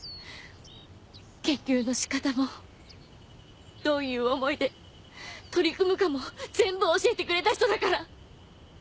研究の仕方もどういう思いで取り組むかも全部教えてくれた人だから。